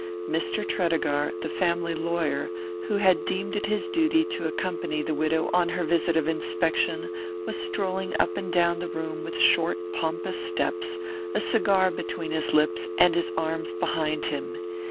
Mr. Tredegar, the family lawyer, who had deemed it his duty to accompany the widow on her visit of inspection, was strolling up and down the room with short pompous steps, a cigar between his lips, and his arms behind him.